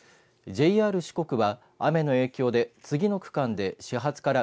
ＪＲ四国は、雨の影響で次の区間で始発から